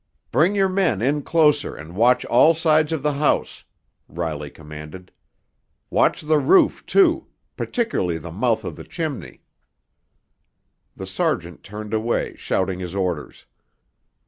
"Bring your men in closer and watch all sides of the house!" Riley commanded. "Watch the roof, too, particularly the mouth of the chimney!" The sergeant turned away, shouting his orders.